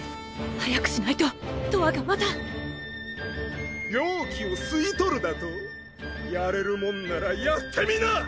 早くしないととわがまた妖気を吸い取るだと！？やれるもんならやってみな！！